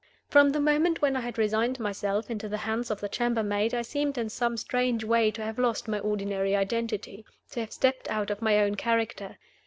From the moment when I had resigned myself into the hands of the chambermaid I seemed in some strange way to have lost my ordinary identity to have stepped out of my own character.